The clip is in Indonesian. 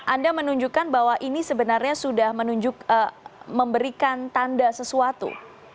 anda menunjukkan bahwa ini sebenarnya sudah menunjuk memberikan tanda sesuatu